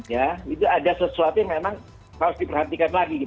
ya itu ada sesuatu yang memang harus diperhatikan lagi